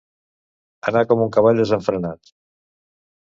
Anar com un cavall desenfrenat.